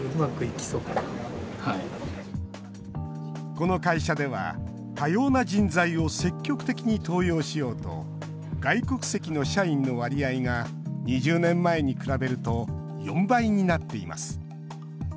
この会社では、多様な人材を積極的に登用しようと外国籍の社員の割合が２０年前に比べると４倍になっています。